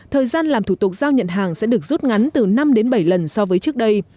thời gian làm thủ tục giao nhận hàng sẽ được rút ngắn từ năm đến bảy lần so với trước đây